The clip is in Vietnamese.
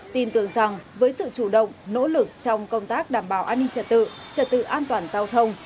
tin tưởng rằng với sự chủ động nỗ lực trong công tác đảm bảo an ninh trật tự trật tự an toàn giao thông